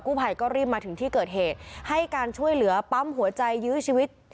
ภัยก็รีบมาถึงที่เกิดเหตุให้การช่วยเหลือปั๊มหัวใจยื้อชีวิต